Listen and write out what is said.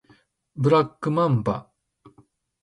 ブラックマンバ